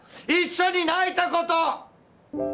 一緒に泣いたこと！